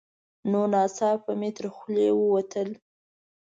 نو ناڅاپه مې تر خولې ووتل: